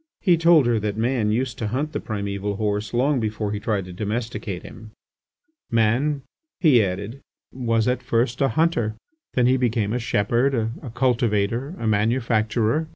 He told her that man used to hunt the primeval horse long before he tried to domesticate him. "Man," he added, "was at first a hunter, then he became a shepherd, a cultivator, a manufacturer ...